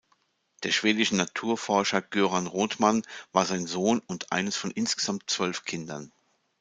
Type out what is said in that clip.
Der schwedische Naturforscher Göran Rothman war sein Sohn und eines von insgesamt zwölf Kindern.